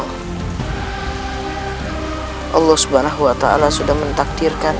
hai allah subhanahu wa ta'ala sudah mentakdirkan